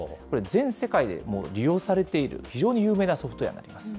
これ、全世界でも利用されている非常に有名なソフトウエアになります。